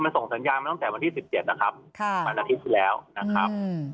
มันส่งสัญญาณมาตั้งแต่วันที่๑๗นะครับวันอาทิตย์ที่แล้วนะครับ